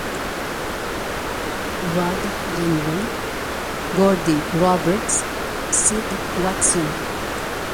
Rod Langway, Gordie Roberts, Sid Watson.